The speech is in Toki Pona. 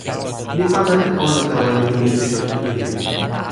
mi pana e ona tawa lipu mi pi toki Inli.